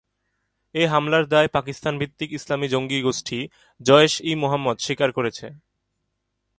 এই হামলার দায় পাকিস্তান-ভিত্তিক ইসলামী জঙ্গি গোষ্ঠী জইশ-ই-মুহাম্মদ স্বীকার করেছে।